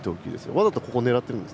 わざとここを狙っているんです。